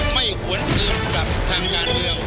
ไม่หวนเกินกลับทางงานเดียว